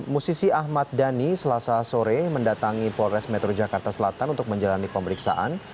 musisi ahmad dhani selasa sore mendatangi polres metro jakarta selatan untuk menjalani pemeriksaan